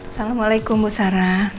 assalamualaikum bu sara